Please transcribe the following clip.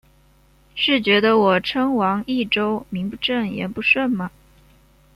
是觉得我称王益州名不正言不顺吗？